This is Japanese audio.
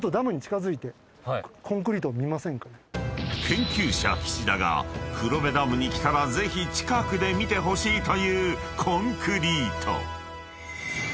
［研究者岸田が黒部ダムに来たらぜひ近くで見てほしいというコンクリート］